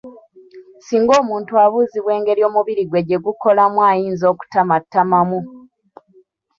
Singa omuntu abuuzibwa engeri omubiri gwe gye gukolamu ayinza okutamattamamu.